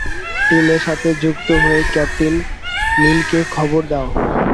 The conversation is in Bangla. টিমের সাথে যুক্ত হয়ে ক্যাপ্টেন নিলকে খবর দাও।